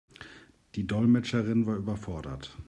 Die Dolmetscherin war überfordert.